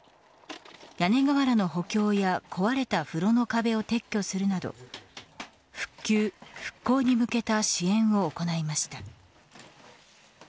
屋根瓦の補強や壊れた風呂の壁を撤去するなど復旧・復興に向けた支援を行いました。